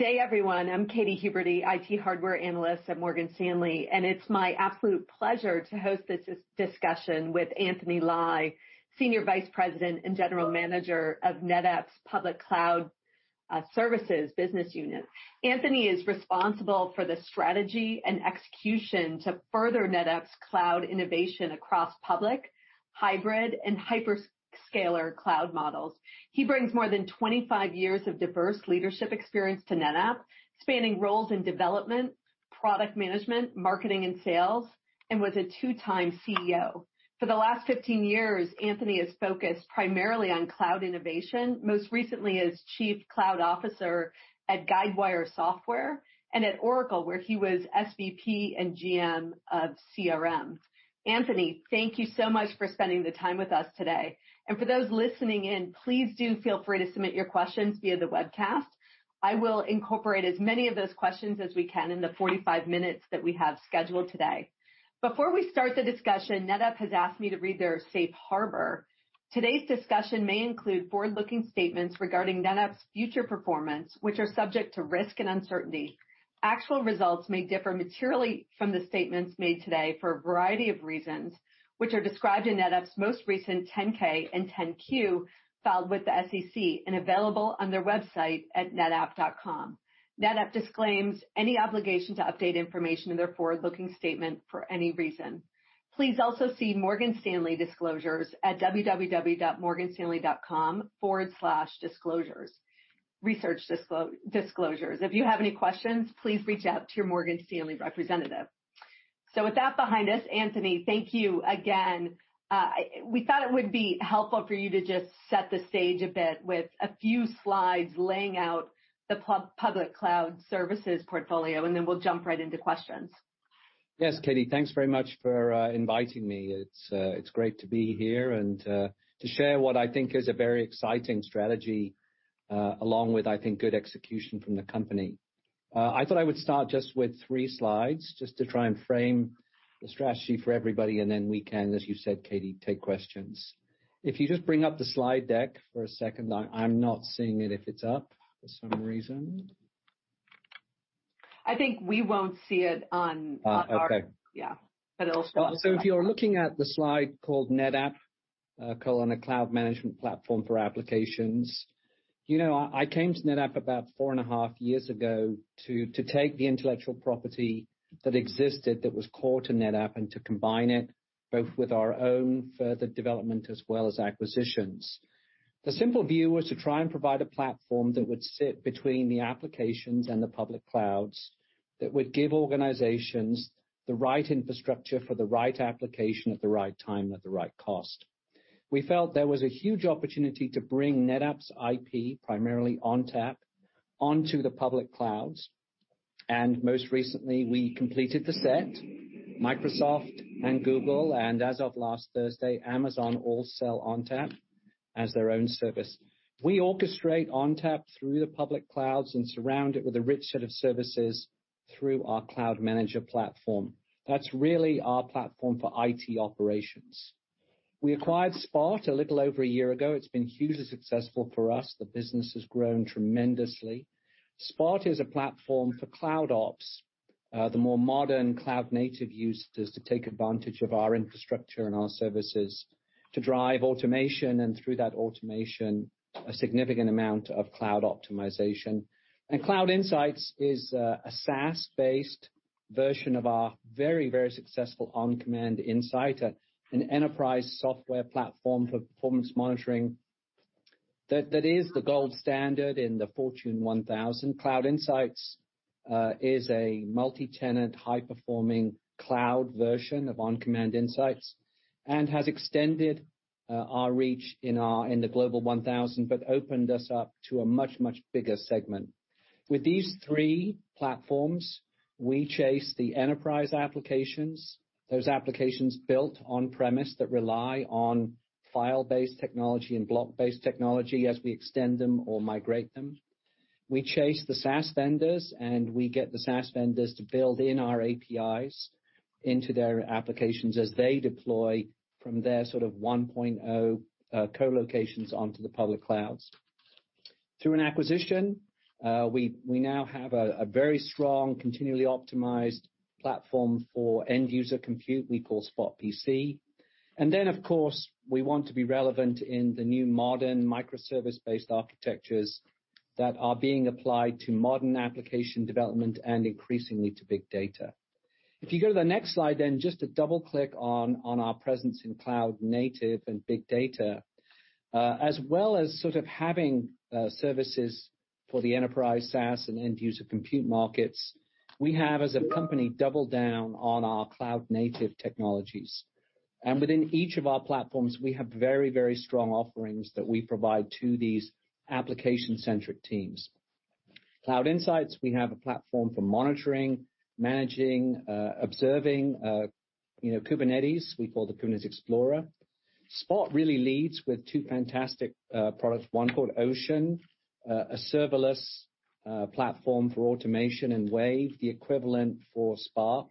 Good day, everyone. I'm Katy Huberty, IT Hardware Analyst at Morgan Stanley, and it's my absolute pleasure to host this discussion with Anthony Lye, Senior Vice President and General Manager of NetApp's Public Cloud Services business unit. Anthony is responsible for the strategy and execution to further NetApp's cloud innovation across public, hybrid, and hyperscaler cloud models. He brings more than 25 years of diverse leadership experience to NetApp, spanning roles in development, product management, marketing and sales, and was a two-time CEO. For the last 15 years, Anthony has focused primarily on cloud innovation, most recently as Chief Cloud Officer at Guidewire Software and at Oracle, where he was SVP and GM of CRM. Anthony, thank you so much for spending the time with us today. For those listening in, please do feel free to submit your questions via the webcast. I will incorporate as many of those questions as we can in the 45 minutes that we have scheduled today. Before we start the discussion, NetApp has asked me to read their Safe Harbor. Today's discussion may include forward-looking statements regarding NetApp's future performance, which are subject to risk and uncertainty. Actual results may differ materially from the statements made today for a variety of reasons, which are described in NetApp's most recent 10-K and 10-Q filed with the SEC and available on their website at netapp.com. NetApp disclaims any obligation to update information in their forward-looking statement for any reason. Please also see Morgan Stanley disclosures at www.morganstanley.com/researchdisclosures. If you have any questions, please reach out to your Morgan Stanley representative. With that behind us, Anthony, thank you again. We thought it would be helpful for you to just set the stage a bit with a few slides laying out the Public Cloud Services portfolio, and then we'll jump right into questions. Yes, Katy. Thanks very much for inviting me. It's great to be here and to share what I think is a very exciting strategy, along with, I think, good execution from the company. I thought I would start just with three slides just to try and frame the strategy for everybody, and then we can, as you said, Katy, take questions. If you just bring up the slide deck for a second. I'm not seeing it if it's up for some reason. I think we won't see it. Okay. Yeah. It'll show up. If you're looking at the slide called NetApp: a cloud management platform for applications. I came to NetApp about four and a half years ago to take the intellectual property that existed that was core to NetApp and to combine it both with our own further development as well as acquisitions. The simple view was to try and provide a platform that would sit between the applications and the public clouds that would give organizations the right infrastructure for the right application at the right time at the right cost. We felt there was a huge opportunity to bring NetApp's IP, primarily ONTAP, onto the public clouds. Most recently, we completed the set, Microsoft and Google, and as of last Thursday, Amazon all sell ONTAP as their own service. We orchestrate ONTAP through the public clouds and surround it with a rich set of services through our Cloud Manager platform. That's really our platform for IT operations. We acquired Spot a little over a year ago. It's been hugely successful for us. The business has grown tremendously. Spot is a platform for CloudOps, the more modern cloud native use is to take advantage of our infrastructure and our services to drive automation, and through that automation, a significant amount of cloud optimization. Cloud Insights is a SaaS-based version of our very, very successful OnCommand Insight, an enterprise software platform for performance monitoring that is the gold standard in the Fortune 1000. Cloud Insights is a multi-tenant, high-performing cloud version of OnCommand Insight and has extended our reach in the Global 1000, but opened us up to a much, much bigger segment. With these three platforms, we chase the enterprise applications, those applications built on-premise that rely on file-based technology and block-based technology as we extend them or migrate them. We chase the SaaS vendors, and we get the SaaS vendors to build in our APIs into their applications as they deploy from their sort of 1.0 co-locations onto the public clouds. Through an acquisition, we now have a very strong, continually optimized platform for end user compute we call Spot PC. Then, of course, we want to be relevant in the new modern microservice-based architectures that are being applied to modern application development and increasingly to big data. If you go to the next slide, then just to double-click on our presence in cloud native and big data. As well as sort of having services for the enterprise, SaaS, and end-user compute markets, we have, as a company, doubled down on our cloud native technologies. Within each of our platforms, we have very, very strong offerings that we provide to these application-centric teams. Cloud Insights, we have a platform for monitoring, managing, observing Kubernetes, we call the Kubernetes Explorer. Spot really leads with two fantastic products. One called Ocean, a serverless platform for automation, and Wave, the equivalent for Spark.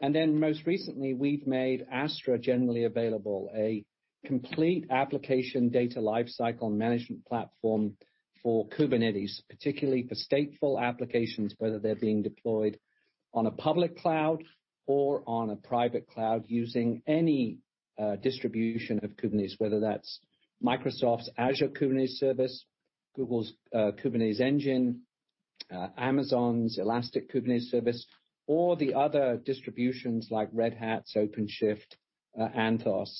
Most recently, we've made Astra generally available, a complete application data lifecycle management platform for Kubernetes, particularly for stateful applications, whether they're being deployed on a public cloud or on a private cloud using any distribution of Kubernetes, whether that's Microsoft's Azure Kubernetes Service, Google's Kubernetes Engine, Amazon's Elastic Kubernetes Service, or the other distributions like Red Hat's OpenShift, Anthos.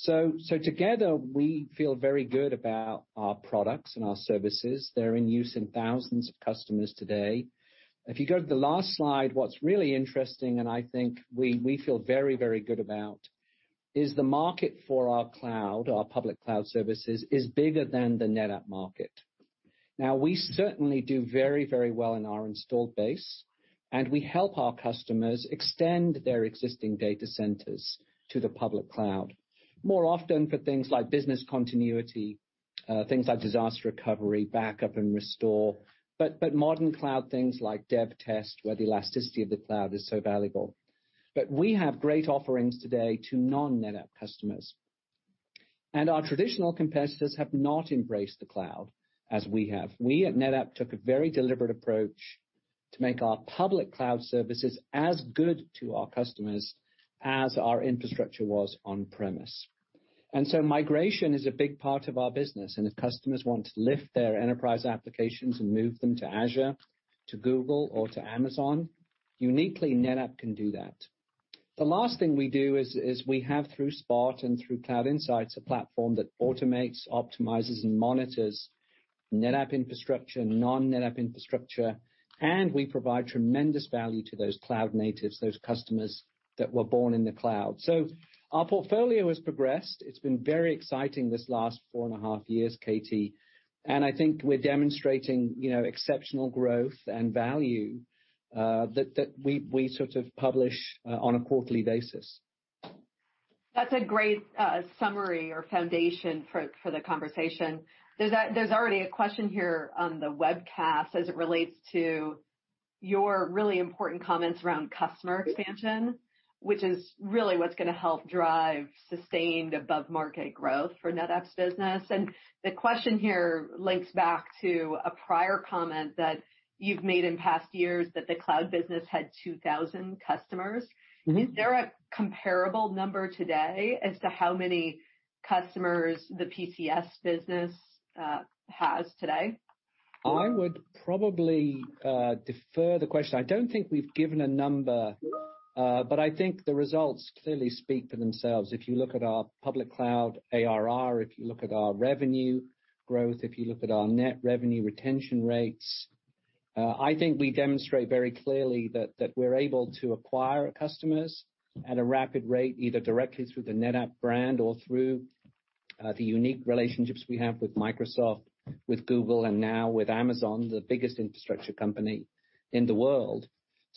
Together, we feel very good about our products and our services. They're in use in thousands of customers today. If you go to the last slide, what's really interesting, and I think we feel very, very good about, is the market for our cloud, our public cloud services is bigger than the NetApp market. We certainly do very, very well in our installed base, and we help our customers extend their existing data centers to the public cloud, more often for things like business continuity, things like disaster recovery, backup and restore. Modern cloud things like dev test, where the elasticity of the cloud is so valuable. We have great offerings today to non-NetApp customers. Our traditional competitors have not embraced the cloud as we have. We at NetApp took a very deliberate approach to make our public cloud services as good to our customers as our infrastructure was on-premise. Migration is a big part of our business, and if customers want to lift their enterprise applications and move them to Azure, to Google, or to Amazon, uniquely, NetApp can do that. The last thing we do is we have through Spot and through Cloud Insights, a platform that automates, optimizes, and monitors NetApp infrastructure, non-NetApp infrastructure, and we provide tremendous value to those cloud natives, those customers that were born in the cloud. Our portfolio has progressed. It's been very exciting this last four and a half years, Katy, and I think we're demonstrating exceptional growth and value, that we sort of publish on a quarterly basis. That's a great summary or foundation for the conversation. There's already a question here on the webcast as it relates to your really important comments around customer expansion, which is really what's going to help drive sustained above-market growth for NetApp's business. The question here links back to a prior comment that you've made in past years that the cloud business had 2,000 customers. Is there a comparable number today as to how many customers the PCS business has today? I would probably defer the question. I don't think we've given a number, but I think the results clearly speak for themselves. If you look at our public cloud ARR, if you look at our revenue growth, if you look at our net revenue retention rates, I think we demonstrate very clearly that we're able to acquire customers at a rapid rate, either directly through the NetApp brand or through the unique relationships we have with Microsoft, with Google, and now with Amazon, the biggest infrastructure company in the world.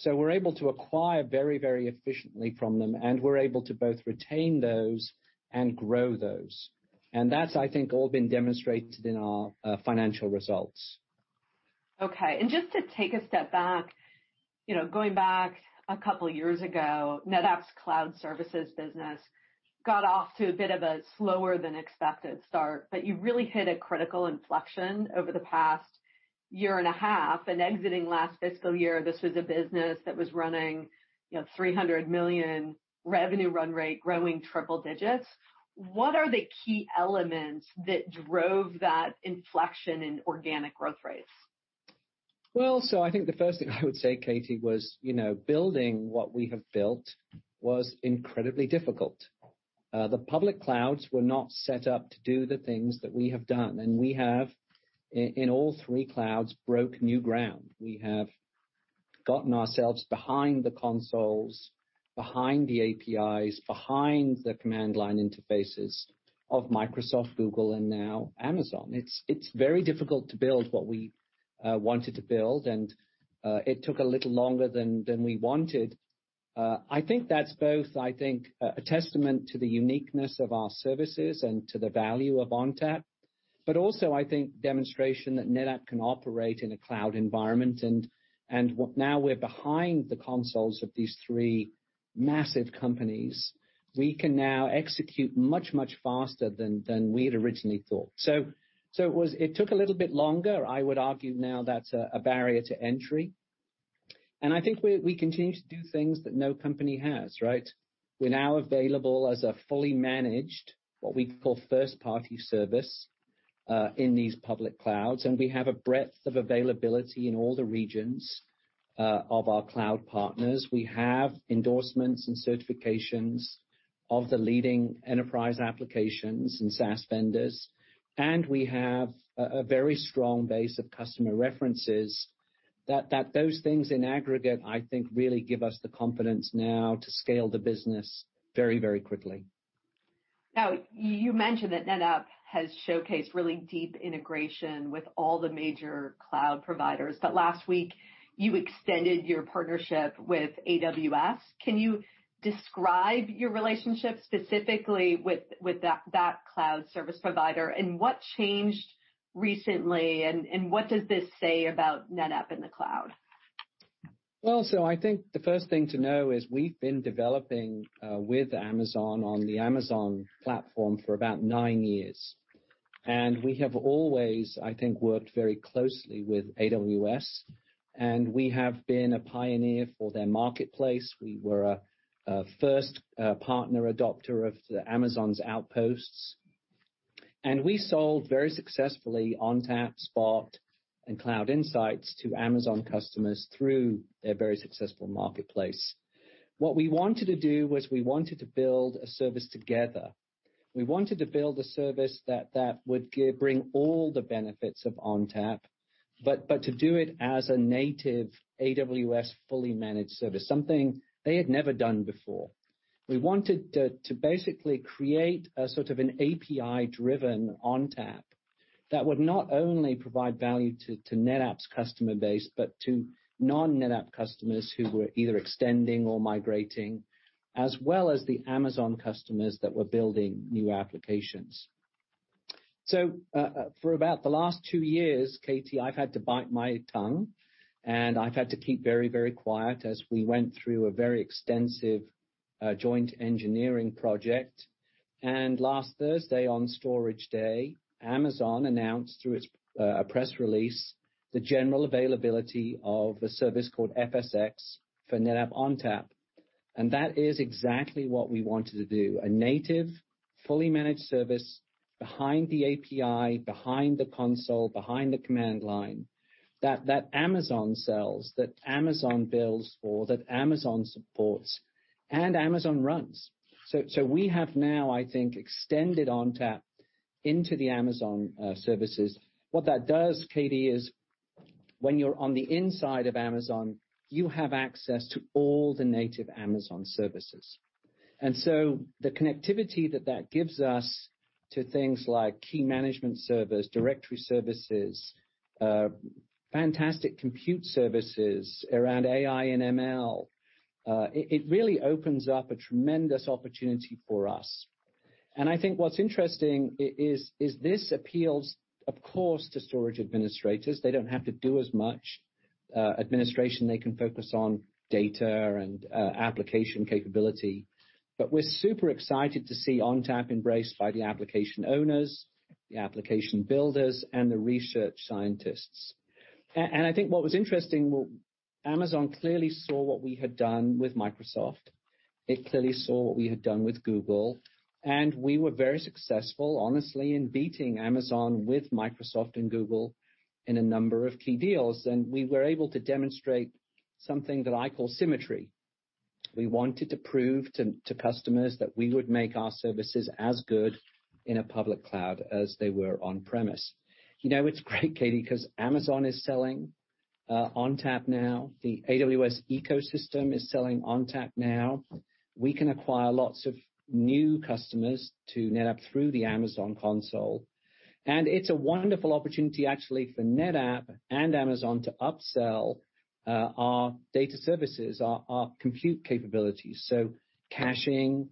We're able to acquire very, very efficiently from them, and we're able to both retain those and grow those. That's, I think, all been demonstrated in our financial results. Okay. Just to take a step back, going back two years ago, NetApp's cloud services business got off to a bit of a slower than expected start. You really hit a critical inflection over the past year and a half. Exiting last fiscal year, this was a business that was running $300 million revenue run-rate, growing triple digits. What are the key elements that drove that inflection in organic growth rates? I think the first thing I would say, Katy, was building what we have built was incredibly difficult. The public clouds were not set up to do the things that we have done, we have, in all three clouds, broke new ground. We have gotten ourselves behind the consoles, behind the APIs, behind the command line interfaces of Microsoft, Google, and now Amazon. It's very difficult to build what we wanted to build, it took a little longer than we wanted. I think that's both a testament to the uniqueness of our services and to the value of ONTAP, also I think demonstration that NetApp can operate in a cloud environment, now we're behind the consoles of these three massive companies. We can now execute much, much faster than we had originally thought. It took a little bit longer. I would argue now that's a barrier to entry. I think we continue to do things that no company has, right? We're now available as a fully managed, what we call first-party service, in these public clouds, and we have a breadth of availability in all the regions of our cloud partners. We have endorsements and certifications of the leading enterprise applications and SaaS vendors. We have a very strong base of customer references that those things in aggregate, I think, really give us the confidence now to scale the business very, very quickly. Now, you mentioned that NetApp has showcased really deep integration with all the major cloud providers. Last week, you extended your partnership with AWS. Describe your relationship specifically with that cloud service provider, and what changed recently, and what does this say about NetApp in the cloud? I think the first thing to know is we've been developing with Amazon on the Amazon platform for about nine years. We have always, I think, worked very closely with AWS, and we have been a pioneer for their marketplace. We were a first partner adopter of Amazon's Outposts, and we sold very successfully ONTAP, Spot, and Cloud Insights to Amazon customers through their very successful marketplace. What we wanted to do was we wanted to build a service together. We wanted to build a service that would bring all the benefits of ONTAP, but to do it as a native AWS fully managed service, something they had never done before. We wanted to basically create a sort of an API-driven ONTAP that would not only provide value to NetApp's customer base, but to non-NetApp customers who were either extending or migrating, as well as the Amazon customers that were building new applications. For about the last two years, Katy, I've had to bite my tongue and I've had to keep very quiet as we went through a very extensive joint engineering project. Last Thursday, on Storage Day, Amazon announced through a press release the general availability of a service called FSx for NetApp ONTAP. That is exactly what we wanted to do, a native, fully managed service behind the API, behind the console, behind the command line, that Amazon sells, that Amazon builds for, that Amazon supports, and Amazon runs. We have now, I think, extended ONTAP into the Amazon services. What that does, Katy, is when you're on the inside of Amazon, you have access to all the native Amazon services. The connectivity that that gives us to things like key management servers, directory services, fantastic compute services around AI and ML, it really opens up a tremendous opportunity for us. I think what's interesting is this appeals, of course, to storage administrators. They don't have to do as much administration. They can focus on data and application capability. We're super excited to see ONTAP embraced by the application owners, the application builders, and the research scientists. I think what was interesting, Amazon clearly saw what we had done with Microsoft. It clearly saw what we had done with Google, and we were very successful, honestly, in beating Amazon with Microsoft and Google in a number of key deals. We were able to demonstrate something that I call symmetry. We wanted to prove to customers that we would make our services as good in a public cloud as they were on-premise. It's great, Katy, because Amazon is selling ONTAP now. The AWS ecosystem is selling ONTAP now. We can acquire lots of new customers to NetApp through the Amazon console, and it's a wonderful opportunity, actually, for NetApp and Amazon to upsell our data services, our compute capabilities. Caching,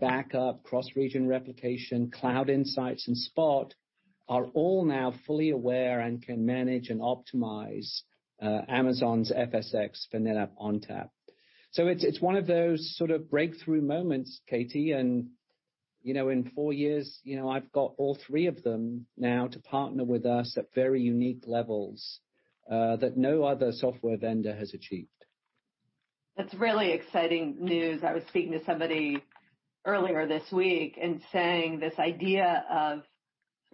backup, cross-region replication, Cloud Insights, and Spot are all now fully aware and can manage and optimize Amazon's FSx for NetApp ONTAP. It's one of those sort of breakthrough moments, Katy, and in four years, I've got all three of them now to partner with us at very unique levels that no other software vendor has achieved. That's really exciting news. I was speaking to somebody earlier this week and saying this idea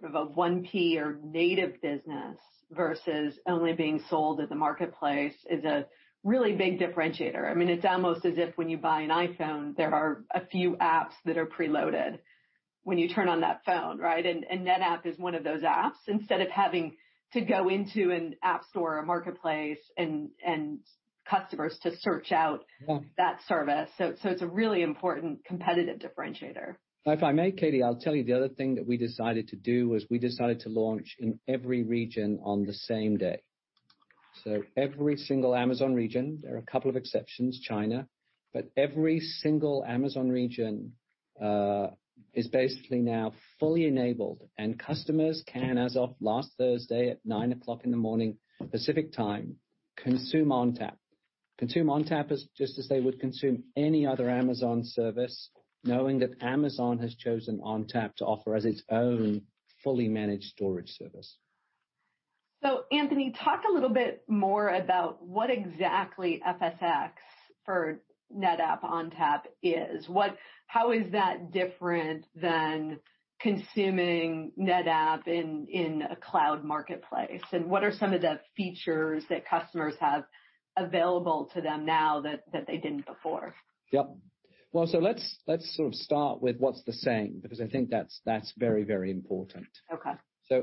of a 1P or native business versus only being sold at the marketplace is a really big differentiator. I mean, it's almost as if when you buy an iPhone, there are a few apps that are preloaded when you turn on that phone, right? NetApp is one of those apps, instead of having to go into an app store or a marketplace and customers to search out that service. It's a really important competitive differentiator. If I may, Katy, I'll tell you the other thing that we decided to do was we decided to launch in every region on the same day. Every single Amazon region, there are a couple of exceptions, China, but every single Amazon region is basically now fully enabled, and customers can, as of last Thursday at 9:00 A.M. Pacific Time, consume ONTAP. Consume ONTAP just as they would consume any other Amazon service, knowing that Amazon has chosen ONTAP to offer as its own fully managed storage service. Anthony, talk a little bit more about what exactly FSx for NetApp ONTAP is. How is that different than consuming NetApp in a cloud marketplace, and what are some of the features that customers have available to them now that they didn't before? Yep. Well, let's start with what's the same, because I think that's very important. Okay.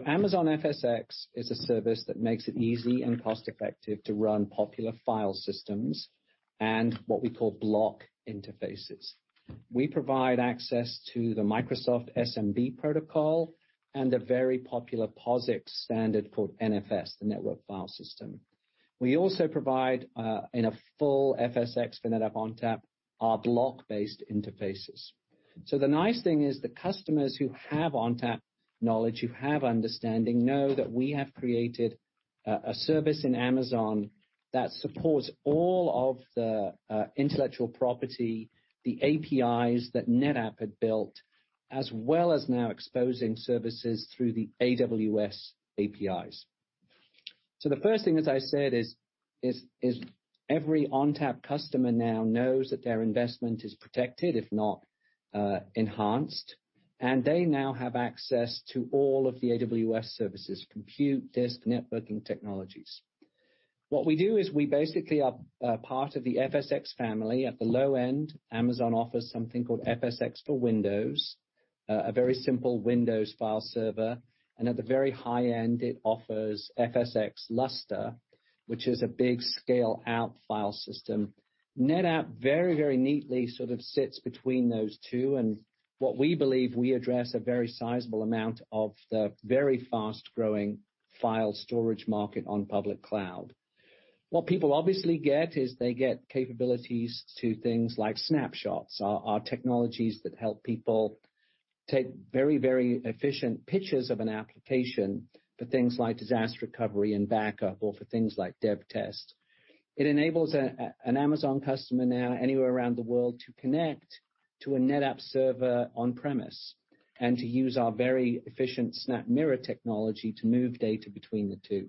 Amazon FSx is a service that makes it easy and cost-effective to run popular file systems and what we call block interfaces. We provide access to the Microsoft SMB protocol and a very popular POSIX standard called NFS, the Network File System. We also provide, in a full FSx for NetApp ONTAP, our block-based interfaces. The nice thing is the customers who have ONTAP knowledge, who have understanding, know that we have created a service in Amazon that supports all of the intellectual property, the APIs that NetApp had built, as well as now exposing services through the AWS APIs. The first thing, as I said, is every ONTAP customer now knows that their investment is protected, if not enhanced, and they now have access to all of the AWS services, compute, disk, networking technologies. What we do is we basically are part of the FSx family. At the low end, Amazon offers something called FSx for Windows, a very simple Windows file server, and at the very high end, it offers FSx Lustre, which is a big scale out file system. NetApp very neatly sort of sits between those two, and what we believe we address a very sizable amount of the very fast-growing file storage market on public cloud. What people obviously get is they get capabilities to things like snapshots, our technologies that help people take very efficient pictures of an application for things like disaster recovery and backup, or for things like dev test. It enables an Amazon customer now anywhere around the world to connect to a NetApp server on-premise and to use our very efficient SnapMirror technology to move data between the two.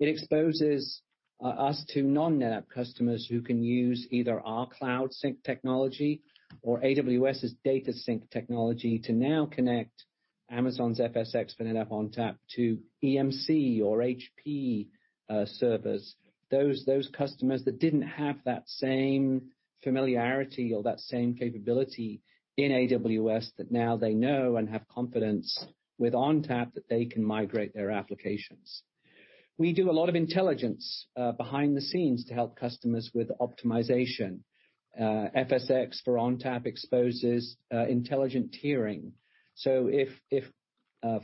It exposes us to non-NetApp customers who can use either our Cloud Sync technology or AWS DataSync technology to now connect Amazon FSx for NetApp ONTAP to EMC or HP servers. Those customers that didn't have that same familiarity or that same capability in AWS that now they know and have confidence with ONTAP that they can migrate their applications. We do a lot of intelligence behind the scenes to help customers with optimization. FSx for ONTAP exposes intelligent tiering. If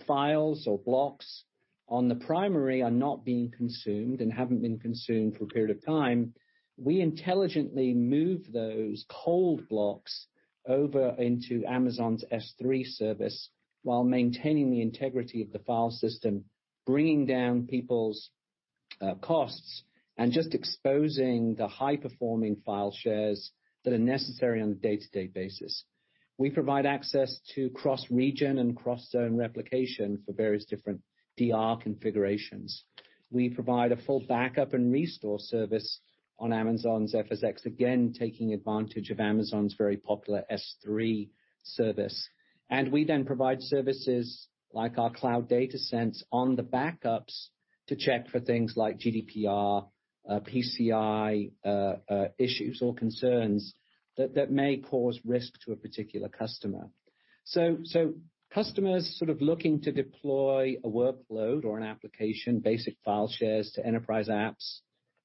files or blocks on the primary are not being consumed and haven't been consumed for a period of time, we intelligently move those cold blocks over into Amazon S3 service while maintaining the integrity of the file system, bringing down people's costs, and just exposing the high-performing file shares that are necessary on a day-to-day basis. We provide access to cross-region and cross-zone replication for various different DR configurations. We provide a full backup and restore service on Amazon FSx, again, taking advantage of Amazon's very popular Amazon S3 service. We then provide services like our Cloud Data Sense on the backups to check for things like GDPR, PCI issues or concerns that may cause risk to a particular customer. Customers sort of looking to deploy a workload or an application, basic file shares to enterprise apps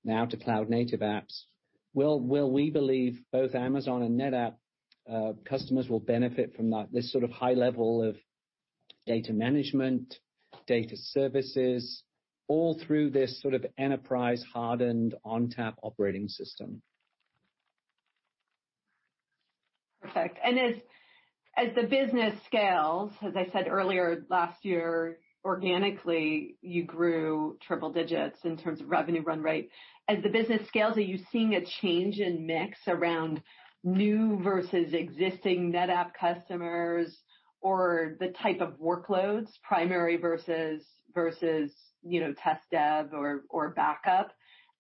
now to cloud-native apps, we believe both Amazon and NetApp customers will benefit from this sort of high level of data management, data services, all through this sort of enterprise-hardened ONTAP operating system. Perfect. As the business scales, as I said earlier, last year, organically, you grew triple digits in terms of revenue run-rate. As the business scales, are you seeing a change in mix around new versus existing NetApp customers or the type of workloads, primary versus test dev or backup,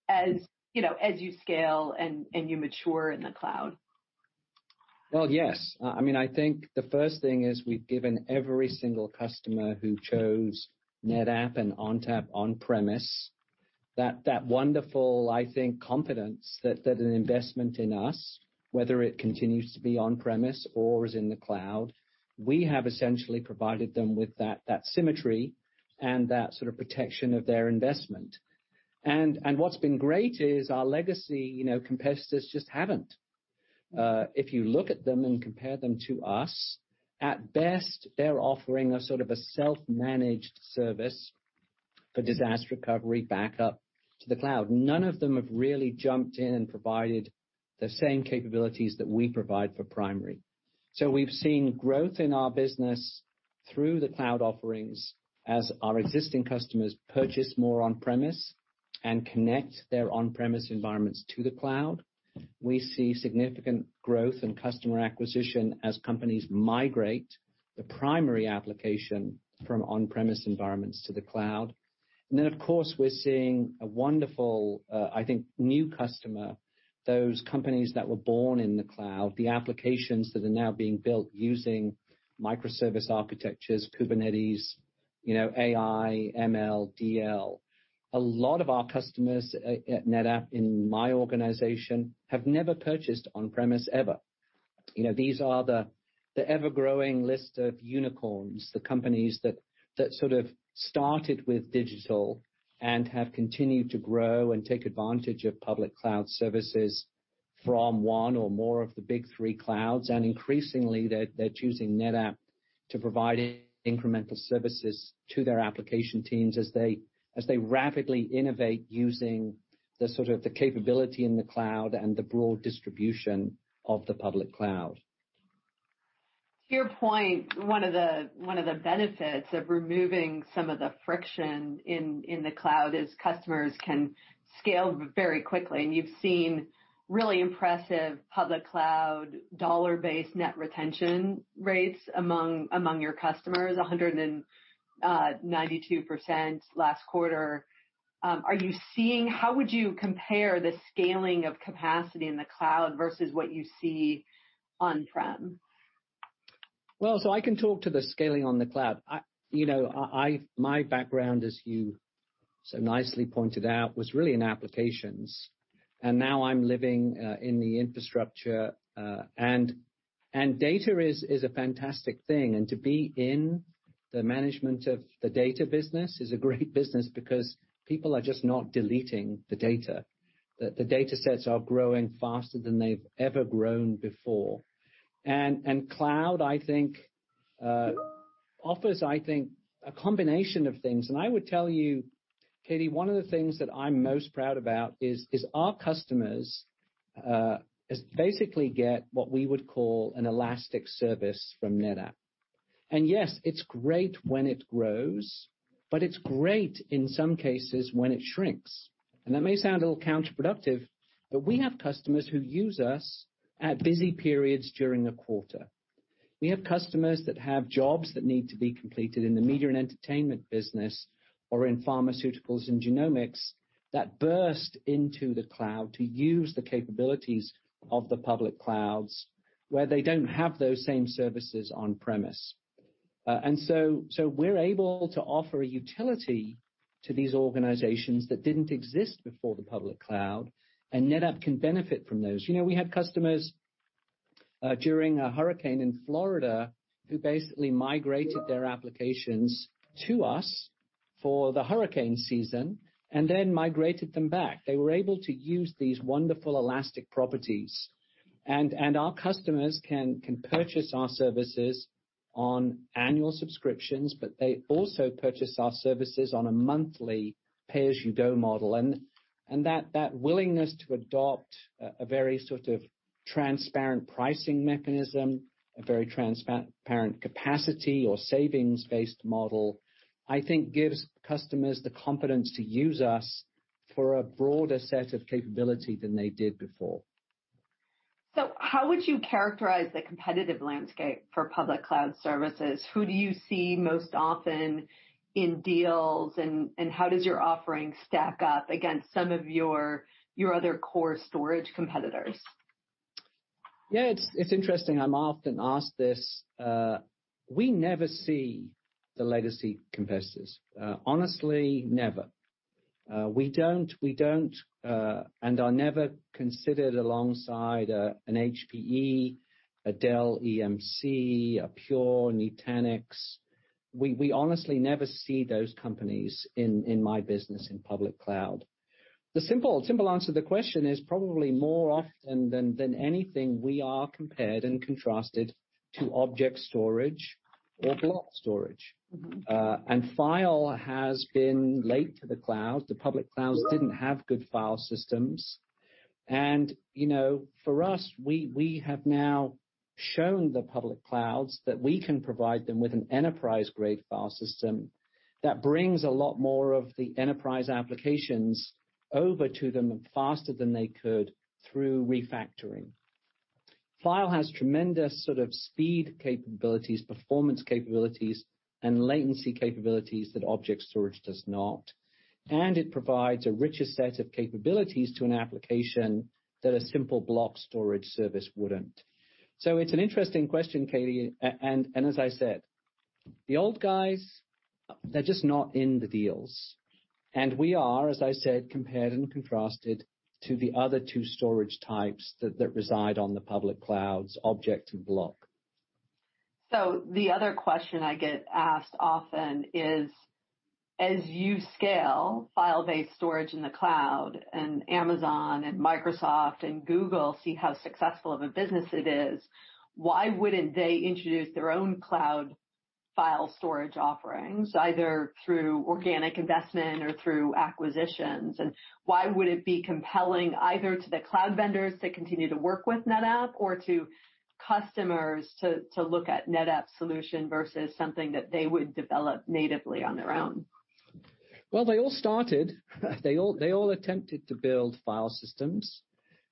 as you scale and you mature in the cloud? Well, yes. I think the first thing is we've given every single customer who chose NetApp and ONTAP on-premise that wonderful, I think, confidence that an investment in us, whether it continues to be on-premise or is in the cloud, we have essentially provided them with that symmetry and that sort of protection of their investment. What's been great is our legacy competitors just haven't. If you look at them and compare them to us, at best, they're offering a sort of a self-managed service for disaster recovery backup to the cloud. None of them have really jumped in and provided the same capabilities that we provide for primary. We've seen growth in our business through the cloud offerings as our existing customers purchase more on-premise and connect their on-premise environments to the cloud. We see significant growth in customer acquisition as companies migrate the primary application from on-premise environments to the cloud. Of course, we're seeing a wonderful, I think, new customer, those companies that were born in the cloud, the applications that are now being built using microservice architectures, Kubernetes, AI, ML, DL. A lot of our customers at NetApp in my organization have never purchased on-premise ever. These are the ever-growing list of unicorns, the companies that sort of started with digital and have continued to grow and take advantage of public cloud services from one or more of the big three clouds. Increasingly, they're choosing NetApp to provide incremental services to their application teams as they rapidly innovate using the capability in the cloud and the broad distribution of the public cloud. To your point, one of the benefits of removing some of the friction in the cloud is customers can scale very quickly. You've seen really impressive public cloud dollar-based net retention rates among your customers, 192% last quarter. How would you compare the scaling of capacity in the cloud versus what you see on-prem? I can talk to the scaling on the cloud. My background, as you so nicely pointed out, was really in applications, and now I'm living in the infrastructure. Data is a fantastic thing, and to be in the management of the data business is a great business because people are just not deleting the data. The data sets are growing faster than they've ever grown before. Cloud, I think, offers a combination of things. I would tell you, Katy, one of the things that I'm most proud about is our customers, basically get what we would call an elastic service from NetApp. Yes, it's great when it grows, but it's great in some cases when it shrinks. That may sound a little counterproductive, but we have customers who use us at busy periods during a quarter. We have customers that have jobs that need to be completed in the media and entertainment business or in pharmaceuticals and genomics that burst into the cloud to use the capabilities of the public clouds, where they don't have those same services on-premise. We're able to offer a utility to these organizations that didn't exist before the public cloud. NetApp can benefit from those. We had customers during a hurricane in Florida who basically migrated their applications to us for the hurricane season and then migrated them back. They were able to use these wonderful elastic properties. Our customers can purchase our services on annual subscriptions, but they also purchase our services on a monthly pay-as-you-go model. That willingness to adopt a very sort of transparent pricing mechanism, a very transparent capacity or savings-based model, I think gives customers the confidence to use us for a broader set of capability than they did before. How would you characterize the competitive landscape for public cloud services? Who do you see most often in deals, and how does your offering stack up against some of your other core storage competitors? Yeah, it's interesting. I'm often asked this. We never see the legacy competitors. Honestly, never. We don't, and are never considered alongside an HPE, a Dell EMC, a Pure, Nutanix. We honestly never see those companies in my business in public cloud. The simple answer to the question is probably more often than anything, we are compared and contrasted to object storage or block storage. File has been late to the cloud. The public clouds didn't have good file systems. For us, we have now shown the public clouds that we can provide them with an enterprise-grade file system that brings a lot more of the enterprise applications over to them faster than they could through refactoring. File has tremendous sort of speed capabilities, performance capabilities, and latency capabilities that object storage does not. It provides a richer set of capabilities to an application that a simple block storage service wouldn't. It's an interesting question, Katy, and as I said, the old guys, they're just not in the deals. We are, as I said, compared and contrasted to the other two storage types that reside on the public clouds, object and block. The other question I get asked often is, as you scale file-based storage in the cloud and Amazon and Microsoft and Google see how successful of a business it is, why wouldn't they introduce their own cloud file storage offerings, either through organic investment or through acquisitions? Why would it be compelling either to the cloud vendors to continue to work with NetApp or to customers to look at NetApp's solution versus something that they would develop natively on their own? They all started. They all attempted to build file systems.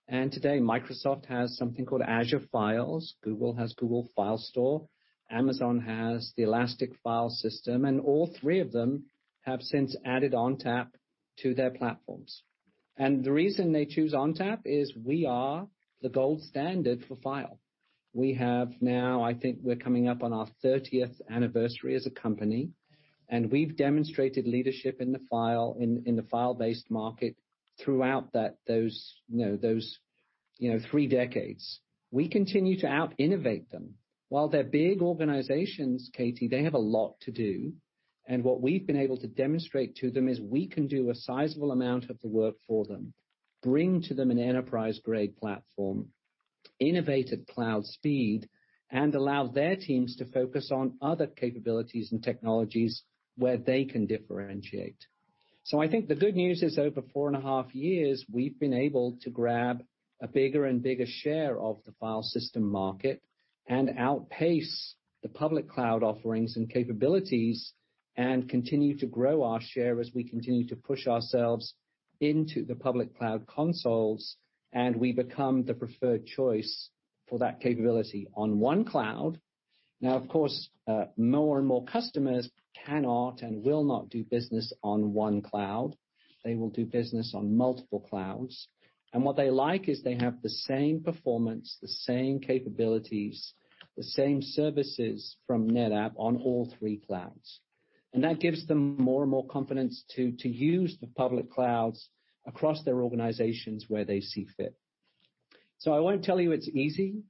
Today Microsoft has something called Azure Files. Google has Google Filestore. Amazon has the Elastic File System. All three of them have since added ONTAP to their platforms. The reason they choose ONTAP is we are the gold standard for file. We have now, I think we're coming up on our 30th anniversary as a company. We've demonstrated leadership in the file-based market. Throughout those three decades, we continue to out-innovate them. While they're big organizations, Katy, they have a lot to do. What we've been able to demonstrate to them is we can do a sizable amount of the work for them, bring to them an enterprise-grade platform, innovate at cloud speed, allow their teams to focus on other capabilities and technologies where they can differentiate. I think the good news is, over four and a half years, we've been able to grab a bigger and bigger share of the file system market and outpace the public cloud offerings and capabilities, and continue to grow our share as we continue to push ourselves into the public cloud consoles, and we become the preferred choice for that capability on one cloud. Of course, more and more customers cannot and will not do business on one cloud. They will do business on multiple clouds. What they like is they have the same performance, the same capabilities, the same services from NetApp on all three clouds. That gives them more and more confidence to use the public clouds across their organizations where they see fit. I won't tell you it's easy,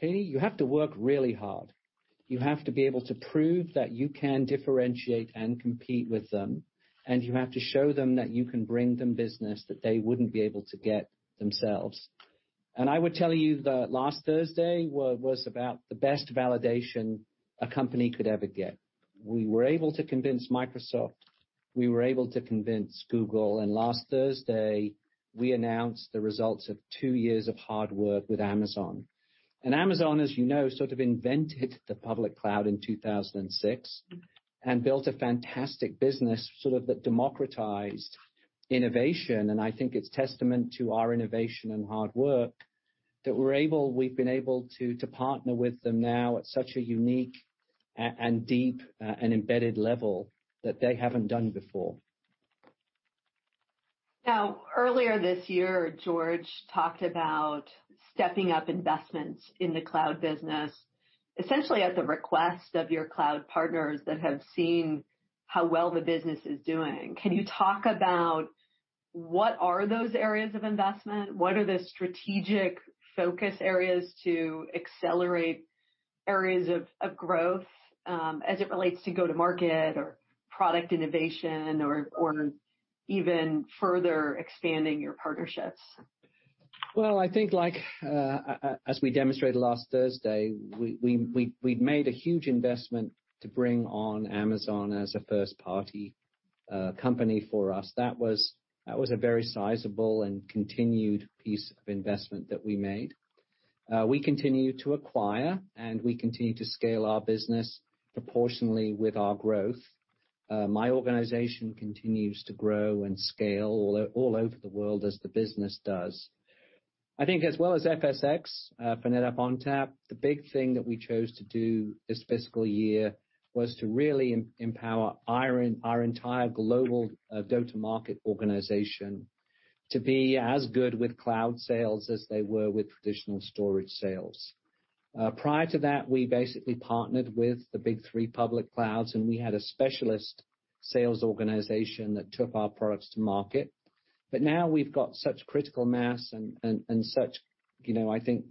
Katy. You have to work really hard. You have to be able to prove that you can differentiate and compete with them, and you have to show them that you can bring them business that they wouldn't be able to get themselves. I would tell you that last Thursday was about the best validation a company could ever get. We were able to convince Microsoft, we were able to convince Google, last Thursday, we announced the results of two years of hard work with Amazon. Amazon, as you know, sort of invented the public cloud in 2006 and built a fantastic business, sort of that democratized innovation, I think it's testament to our innovation and hard work that we've been able to partner with them now at such a unique and deep an embedded level that they haven't done before. Now, earlier this year, George talked about stepping up investments in the cloud business, essentially at the request of your cloud partners that have seen how well the business is doing. Can you talk about what are those areas of investment? What are the strategic focus areas to accelerate areas of growth, as it relates to go to market or product innovation or even further expanding your partnerships? Well, I think like as we demonstrated last Thursday, we'd made a huge investment to bring on Amazon as a first-party company for us. That was a very sizable and continued piece of investment that we made. We continue to acquire, and we continue to scale our business proportionally with our growth. My organization continues to grow and scale all over the world as the business does. I think as well as FSx for NetApp ONTAP, the big thing that we chose to do this fiscal year was to really empower our entire global go-to-market organization to be as good with cloud sales as they were with traditional storage sales. Prior to that, we basically partnered with the big three public clouds, and we had a specialist sales organization that took our products to market. Now we've got such critical mass and such I think,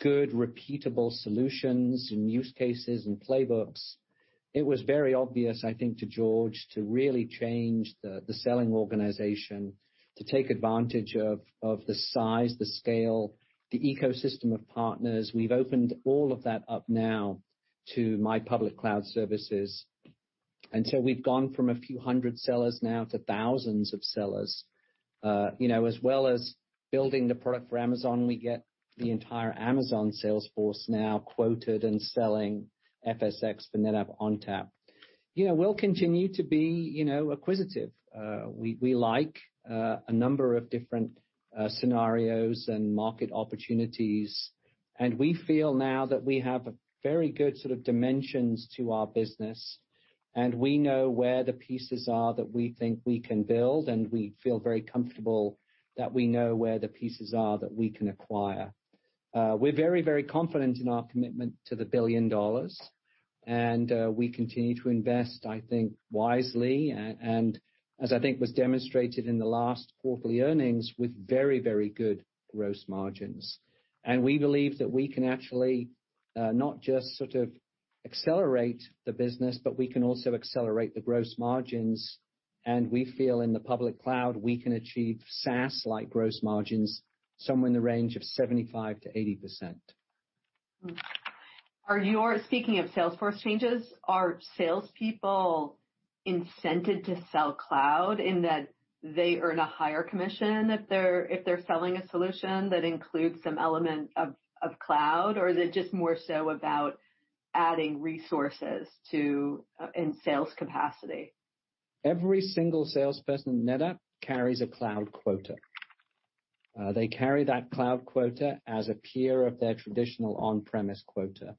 good repeatable solutions and use cases and playbooks. It was very obvious, I think, to George, to really change the selling organization to take advantage of the size, the scale, the ecosystem of partners. We've opened all of that up now to my public cloud services. We've gone from a few hundred sellers now to thousands of sellers. As well as building the product for Amazon, we get the entire Amazon sales force now quoted and selling Amazon FSx for NetApp ONTAP. We'll continue to be acquisitive. We like a number of different scenarios and market opportunities, and we feel now that we have very good dimensions to our business, and we know where the pieces are that we think we can build, and we feel very comfortable that we know where the pieces are that we can acquire. We're very confident in our commitment to the billion dollars, and we continue to invest, I think, wisely, and as I think was demonstrated in the last quarterly earnings, with very good gross margins. We believe that we can actually not just sort of accelerate the business, but we can also accelerate the gross margins, and we feel in the public cloud, we can achieve SaaS-like gross margins somewhere in the range of 75%-80%. Speaking of sales force changes, are salespeople incented to sell cloud in that they earn a higher commission if they're selling a solution that includes some element of cloud? Is it just more so about adding resources in sales capacity? Every single salesperson at NetApp carries a cloud quota. They carry that cloud quota as a peer of their traditional on-premise quota.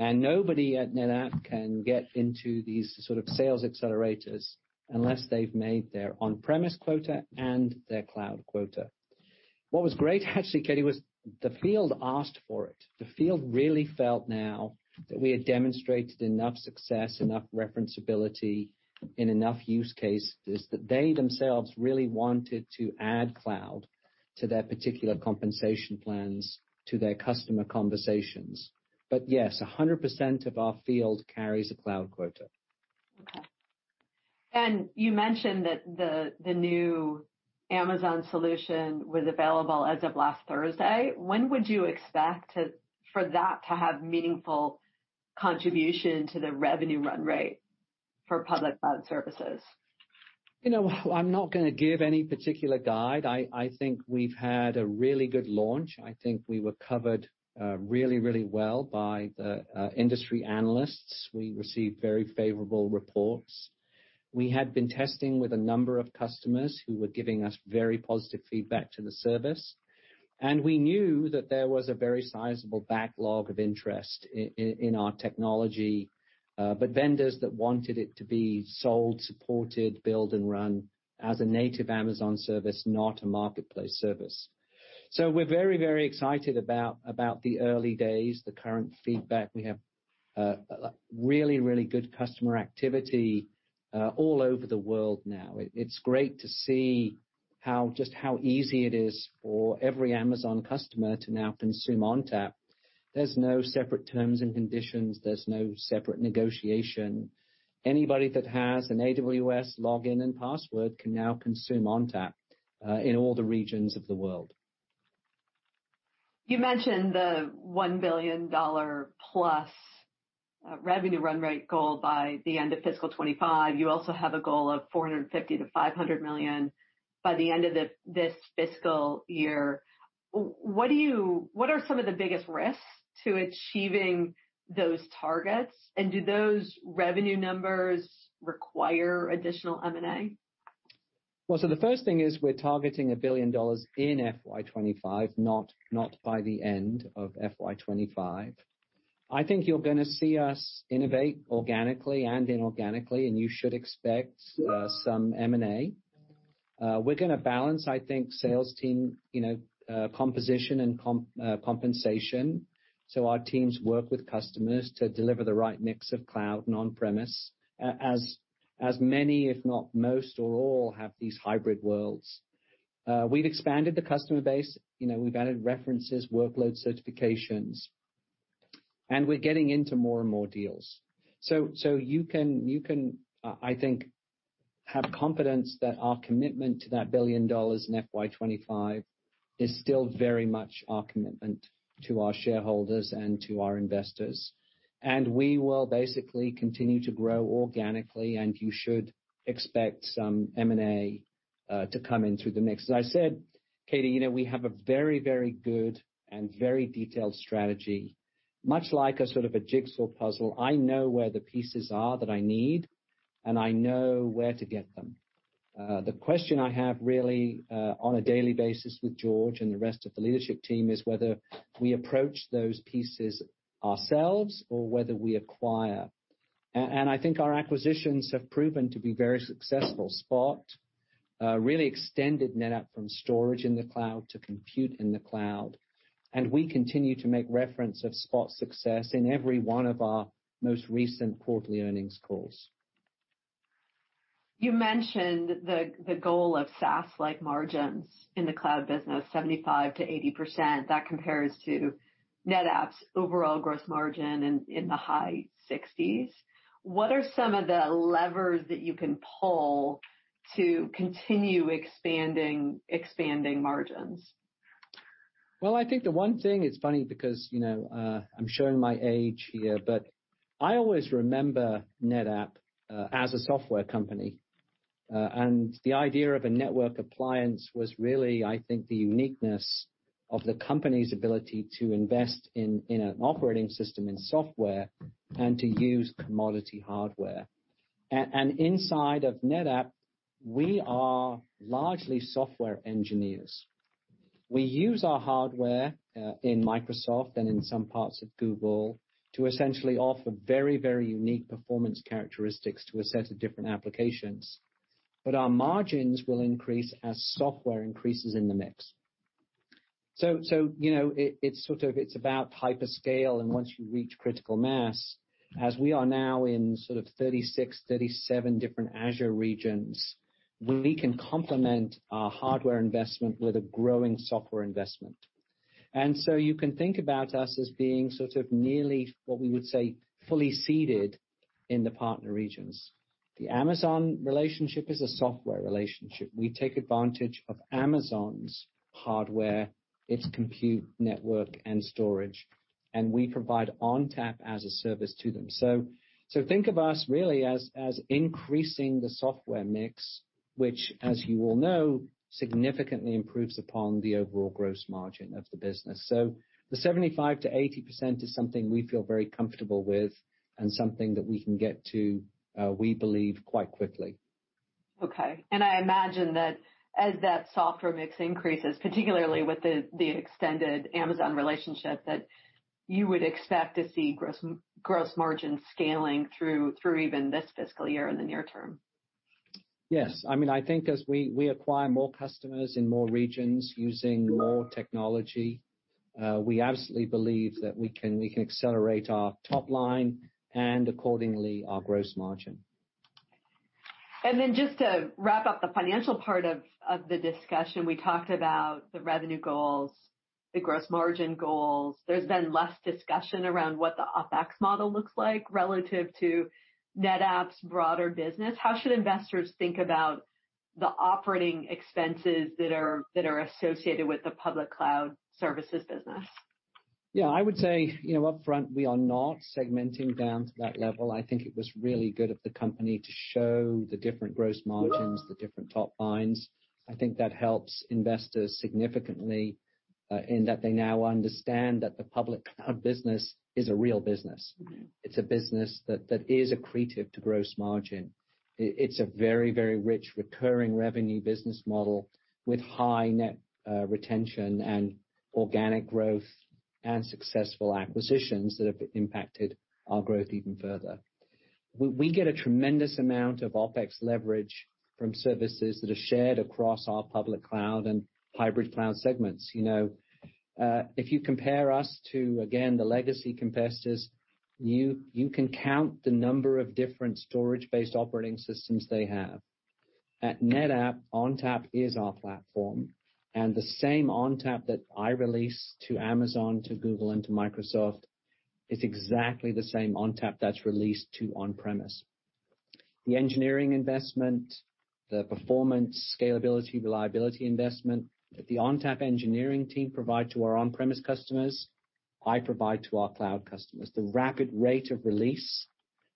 Nobody at NetApp can get into these sort of sales accelerators unless they've made their on-premise quota and their cloud quota. What was great actually, Katy, was the field asked for it. The field really felt now that we had demonstrated enough success, enough referenceability in enough use cases that they themselves really wanted to add cloud to their particular compensation plans, to their customer conversations. Yes, 100% of our field carries a cloud quota. Okay. You mentioned that the new Amazon solution was available as of last Thursday. When would you expect for that to have meaningful contribution to the revenue run rate for public cloud services? I'm not going to give any particular guide. I think we've had a really good launch. I think we were covered really well by the industry analysts. We received very favorable reports. We had been testing with a number of customers who were giving us very positive feedback to the service, and we knew that there was a very sizable backlog of interest in our technology, but vendors that wanted it to be sold, supported, built, and run as a native Amazon service, not a marketplace service. We're very excited about the early days, the current feedback. We have really good customer activity all over the world now. It's great to see just how easy it is for every Amazon customer to now consume ONTAP. There's no separate terms and conditions. There's no separate negotiation. Anybody that has an AWS login and password can now consume ONTAP in all the regions of the world. You mentioned the $1 billion+ revenue run-rate goal by the end of FY 2025. You also have a goal of $450 million-$500 million by the end of this fiscal year. What are some of the biggest risks to achieving those targets, and do those revenue numbers require additional M&A? Well, the first thing is we're targeting a billion dollars in FY 2025, not by the end of FY 2025. I think you're going to see us innovate organically and inorganically, and you should expect some M&A. We're going to balance, I think, sales team composition and compensation. Our teams work with customers to deliver the right mix of cloud and on-premise, as many, if not most or all, have these hybrid worlds. We've expanded the customer base, we've added references, workload certifications, and we're getting into more and more deals. You can, I think, have confidence that our commitment to that billion dollars in FY 2025 is still very much our commitment to our shareholders and to our investors, and we will basically continue to grow organically, and you should expect some M&A to come into the mix. As I said, Katy, we have a very, very good and very detailed strategy, much like a sort of a jigsaw puzzle. I know where the pieces are that I need, and I know where to get them. The question I have really on a daily basis with George and the rest of the leadership team is whether we approach those pieces ourselves or whether we acquire. I think our acquisitions have proven to be very successful. Spot really extended NetApp from storage in the cloud to compute in the cloud, and we continue to make reference of Spot's success in every one of our most recent quarterly earnings calls. You mentioned the goal of SaaS-like margins in the cloud business, 75%-80%. That compares to NetApp's overall gross margin in the high 60s. What are some of the levers that you can pull to continue expanding margins? Well, I think the one thing, it's funny because I'm showing my age here, but I always remember NetApp as a software company. The idea of a network appliance was really, I think, the uniqueness of the company's ability to invest in an operating system in software and to use commodity hardware. Inside of NetApp, we are largely software engineers. We use our hardware in Microsoft and in some parts of Google to essentially offer very, very unique performance characteristics to a set of different applications. Our margins will increase as software increases in the mix. It's about hyperscale, and once you reach critical mass, as we are now in sort of 36-37 different Azure regions, we can complement our hardware investment with a growing software investment. You can think about us as being sort of nearly what we would say, fully seated in the partner regions. The Amazon relationship is a software relationship. We take advantage of Amazon's hardware, its compute network, and storage, and we provide ONTAP as a service to them. Think of us really as increasing the software mix, which, as you all know, significantly improves upon the overall gross margin of the business. The 75%-80% is something we feel very comfortable with and something that we can get to, we believe, quite quickly. Okay. I imagine that as that software mix increases, particularly with the extended Amazon relationship, that you would expect to see gross margin scaling through even this fiscal year in the near term. Yes. I think as we acquire more customers in more regions using more technology, we absolutely believe that we can accelerate our top line and accordingly, our gross margin. Just to wrap up the financial part of the discussion, we talked about the revenue goals, the gross margin goals. There's been less discussion around what the OpEx model looks like relative to NetApp's broader business. How should investors think about the operating expenses that are associated with the public cloud services business? Yeah. I would say, upfront, we are not segmenting down to that level. I think it was really good of the company to show the different gross margins, the different top lines. I think that helps investors significantly in that they now understand that the public cloud business is a real business. It's a business that is accretive to gross margin. It's a very, very rich recurring revenue business model with high net retention and organic growth and successful acquisitions that have impacted our growth even further. We get a tremendous amount of OpEx leverage from services that are shared across our public cloud and hybrid cloud segments. If you compare us to, again, the legacy competitors, you can count the number of different storage-based operating systems they have. At NetApp, ONTAP is our platform. The same ONTAP that I release to Amazon, to Google, and to Microsoft is exactly the same ONTAP that's released to on-premise. The engineering investment, the performance, scalability, reliability investment that the ONTAP engineering team provide to our on-premise customers, I provide to our cloud customers. The rapid rate of release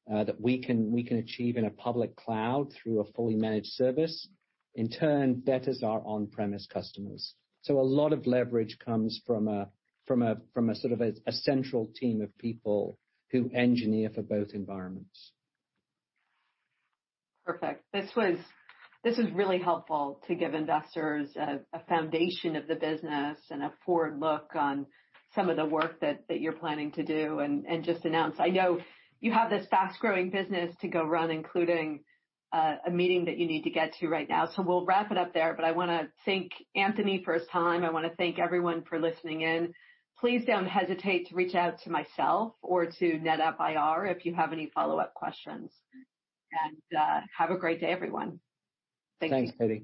that we can achieve in a public cloud through a fully managed service, in turn, betters our on-premise customers. A lot of leverage comes from a sort of a central team of people who engineer for both environments. Perfect. This was really helpful to give investors a foundation of the business and a forward look on some of the work that you're planning to do and just announce. I know you have this fast-growing business to go run, including a meeting that you need to get to right now, so we'll wrap it up there. I want to thank Anthony for his time. I want to thank everyone for listening in. Please don't hesitate to reach out to myself or to NetApp IR if you have any follow-up questions. Have a great day, everyone. Thank you. Thanks, Katy.